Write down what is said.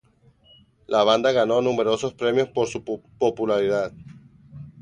La banda ganó numerosos premios por su popularidad.